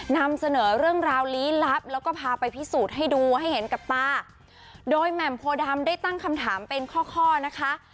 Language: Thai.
นำเสนอเรื่องราวลี้ลับแล้วก็พาไปพิสูจน์ให้ดูให้เห็นกับตาโดยแหม่มโพดำได้ตั้งคำถามเป็นข้อข้อนะคะ